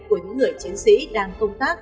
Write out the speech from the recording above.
của những người chiến sĩ đang công tác